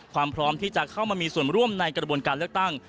พร้อมที่จะเข้ามามีส่วนร่วมในกระบวนการเลือกตั้ง